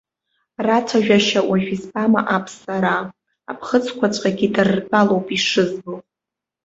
Рцәажәашьа уажә избама аԥсараа, аԥхыӡқәаҵәҟьагьы, дара ртәалоуп ишызбо.